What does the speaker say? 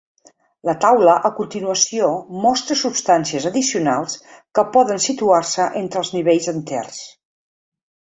La taula a continuació mostra substàncies addicionals que poden situar-se entre els nivells enters.